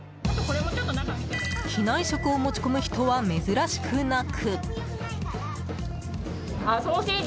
機内食を持ち込む人は珍しくなく。